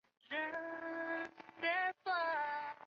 东段原为民国时期开辟中央门通往下关火车站的道路。